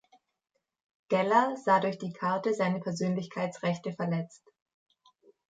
Geller sah durch die Karte seine Persönlichkeitsrechte verletzt.